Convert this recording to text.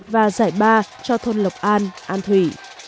và giải ba cho thôn lộc an an thủy